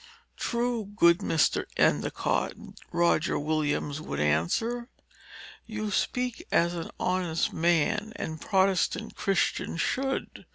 "Truly, good Mr. Endicott," Roger Williams would answer, "you speak as an honest man and Protestant Christian should.